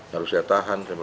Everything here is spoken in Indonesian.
harus saya tahan